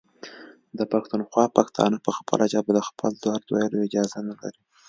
د پښتونخوا پښتانه په خپله ژبه د خپل درد ویلو اجازه نلري.